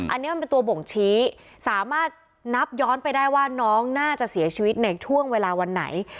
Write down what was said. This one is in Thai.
อันนี้มันเป็นตัวบ่งชี้สามารถนับย้อนไปได้ว่าน้องน่าจะเสียชีวิตในช่วงเวลาวันไหน